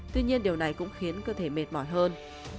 tuy nhiên điều này cũng khiến cơ thể mệt mỏi hơn